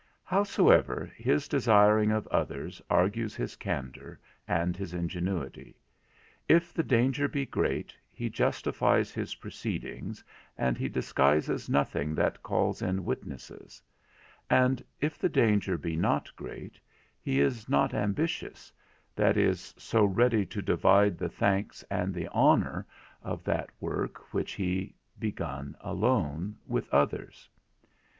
Howsoever, his desiring of others argues his candour, and his ingenuity; if the danger be great, he justifies his proceedings, and he disguises nothing that calls in witnesses; and if the danger be not great, he is not ambitious, that is so ready to divide the thanks and the honour of that work which he begun alone, with others.